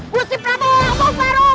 gusti pramuk parungul